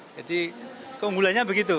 jadi keunggulannya begitu